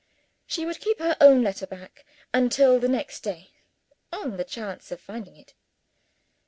She would keep her own letter back until the next day, on the chance of finding it.